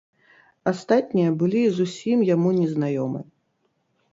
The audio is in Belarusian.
Астатнія былі зусім яму незнаёмы.